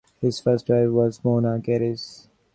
His first wife was Mona Geddes.